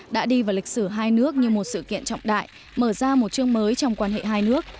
đã đi vào lịch sử hai nước như một sự kiện trọng đại mở ra một chương mới trong quan hệ hai nước